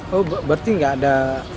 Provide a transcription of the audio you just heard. oh berarti nggak ada